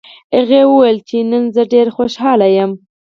هغې وویل چې نن زه ډېره خوشحاله یم